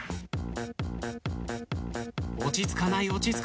落ち着かない落ち着かない。